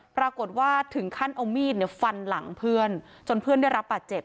ปรากฏว่าถึงขั้นเอามีดฟันหลังเพื่อนจนเพื่อนได้รับบาดเจ็บ